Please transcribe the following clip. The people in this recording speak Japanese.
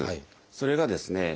それがですね